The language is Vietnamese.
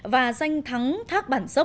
và danh thắng thác bản dốc